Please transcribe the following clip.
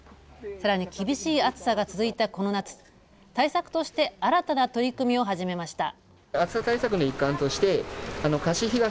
さらに厳しい暑さが続いたこの夏、対策として新たな取り組みを始めました。